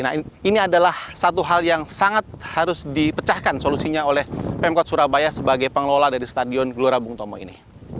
nah ini adalah satu hal yang sangat harus dipecahkan solusinya oleh pemkot surabaya sebagai pengelola dari stadion gelora bung tomo ini